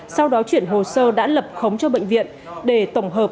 sau đó chuyển hồ sơ đã lập khống cho bệnh viện để tổng hợp